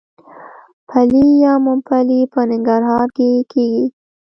پلی یا ممپلی په ننګرهار کې کیږي.